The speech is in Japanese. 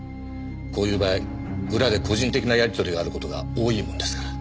こういう場合裏で個人的なやり取りがある事が多いものですから。